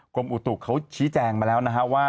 กรมอุตุเขาชี้แจงมาแล้วนะครับว่า